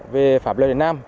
về pháp lời việt nam